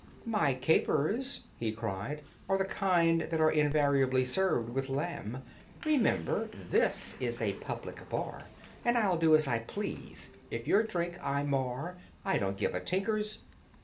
"My capers," he cried, "are the kind that are Invariably served with lamb. Remember, this is a public bar, And I'll do as I please. If your drink I mar, I don't give a tinker's